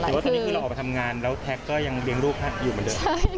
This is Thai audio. แต่ว่าตอนนี้คือเราออกมาทำงานแล้วแท็กก็ยังเลี้ยงลูกท่านอยู่เหมือนเดิม